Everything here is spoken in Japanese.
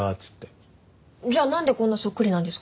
じゃあなんでこんなそっくりなんですか？